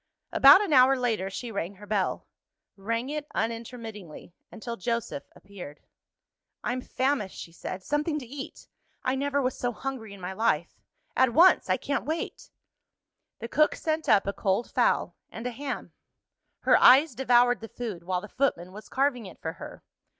About an hour later, she rang her bell rang it unintermittingly, until Joseph appeared. "I'm famished," she said. "Something to eat! I never was so hungry in my life. At once I can't wait." The cook sent up a cold fowl, and a ham. Her eyes devoured the food, while the footman was carving it for her.